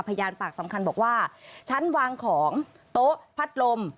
พยานปากสำคัญบอกว่าฉันวางของโต๊ะพัดลม